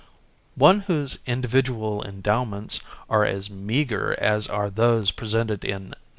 One whose individual endowments are as meagre as are those presented in No.